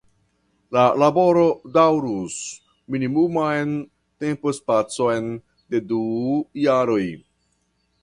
La laboro daŭrus minimuman tempospacon de du jaroj.